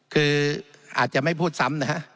คืออาจจะไม่พูดซ้ำนะฮะ